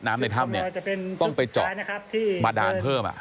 น้ำในถ้ำต้องไปจอบมาด่านเพิ่ม